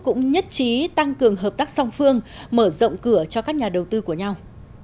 cũng nhất trí tăng cường hợp tác song phương mở rộng cửa cho các nhà đầu tư của nhau